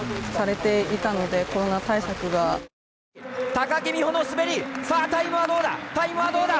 高木美帆の滑りさあ、タイムはどうだ。